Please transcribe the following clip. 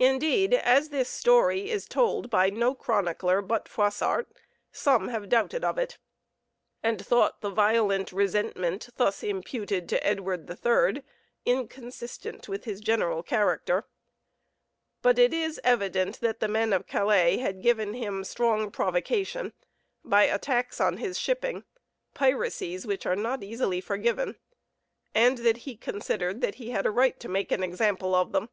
Indeed, as this story is told by no chronicler but Froissart, some have doubted of it, and thought the violent resentment thus imputed to Edward III inconsistent with his general character; but it is evident that the men of Calais had given him strong provocation by attacks on his shipping piracies which are not easily forgiven and that he considered that he had a right to make an example of them.